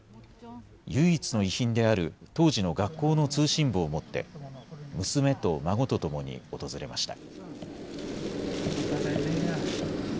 唯一の遺品である当時の学校の通信簿を持って娘と孫と共に訪れました。